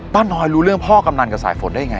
น้อยรู้เรื่องพ่อกำนันกับสายฝนได้ยังไง